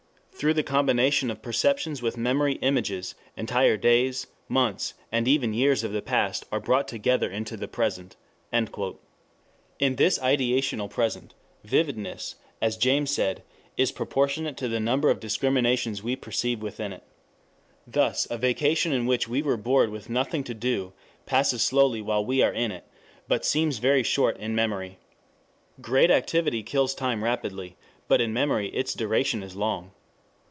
Through the combination of perceptions with memory images, entire days, months, and even years of the past are brought together into the present." In this ideational present, vividness, as James said, is proportionate to the number of discriminations we perceive within it. Thus a vacation in which we were bored with nothing to do passes slowly while we are in it, but seems very short in memory. Great activity kills time rapidly, but in memory its duration is long.